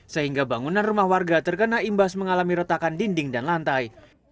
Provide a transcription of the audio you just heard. sehingga bangunan rumah warga terkena imbas mengalami retakan dinding dan lantai